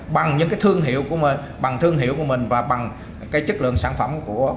bằng những thương hiệu của mình và bằng chất lượng sản phẩm